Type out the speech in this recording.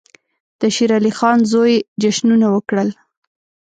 د شېر علي خان زوی جشنونه وکړل.